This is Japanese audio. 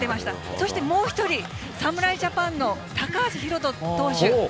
そしてもう１人、侍ジャパンの高橋宏斗投手。